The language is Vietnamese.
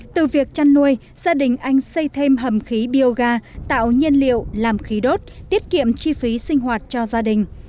từ việc chăn nuôi gia đình anh xây thêm hầm khí bioga tạo nhiên liệu làm khí đốt tiết kiệm chi phí sinh hoạt cho gia đình